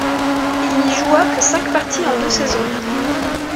Il n'y joua que cinq parties en deux saisons.